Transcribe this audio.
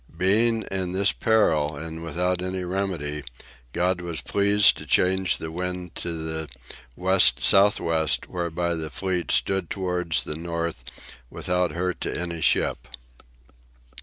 Being in this peril and without any remedy, God was pleased to change the wind to west south west, whereby the fleet stood towards the north without hurt to any ship."